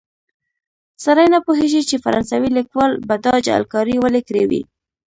سړی نه پوهېږي چې فرانسوي لیکوال به دا جعلکاري ولې کړې وي.